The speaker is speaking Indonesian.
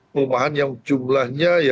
rumahan yang jumlahnya